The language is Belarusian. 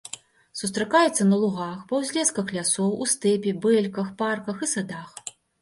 Сустракаецца на лугах, па ўзлесках лясоў, у стэпе, бэльках, парках і садах.